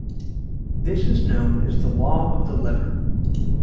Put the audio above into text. This is known as the law of the lever.